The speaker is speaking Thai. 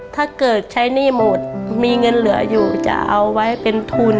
ถ้าเกิดใช้หนี้หมดมีเงินเหลืออยู่จะเอาไว้เป็นทุน